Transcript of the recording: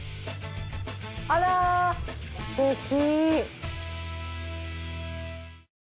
あらすてき。